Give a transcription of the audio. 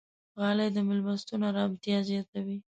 غالۍ د میلمستون ارامتیا زیاتوي.